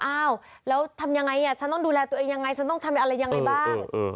อ้าวแล้วทำยังไงฉันต้องดูแลตัวเองยังไงฉันต้องทำอะไรยังไงบ้าง